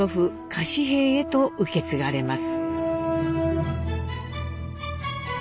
柏平へと受け継がれます。